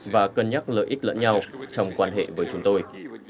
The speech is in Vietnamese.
và cân nhắc lợi ích lẫn nhau trong quan hệ với chúng tôi